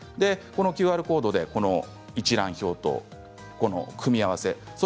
ＱＲコードで一覧表とこの組み合わせ